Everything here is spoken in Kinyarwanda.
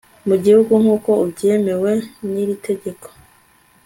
mu gihugu nk uko byemewe n iri tegeko